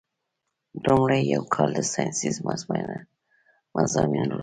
لومړی یو کال د ساینسي مضامینو لپاره دی.